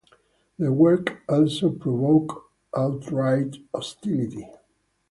The work also provoked outright hostility.